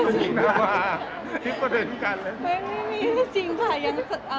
สติตาตางควบท่วนแหละค่ะ